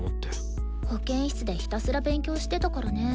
保健室でひたすら勉強してたからね。